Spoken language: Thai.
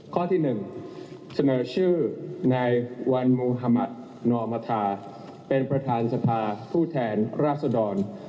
ข้อที่๑เสนอชื่อนายวันมุธมัธนอมธาเป็นประธานสภาผู้แทนราษดร